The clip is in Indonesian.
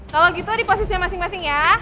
kalau gitu di posisi masing masing ya